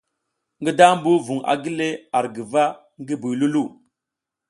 Ngi dambu vung a gile ar guva ngi buy Loulou.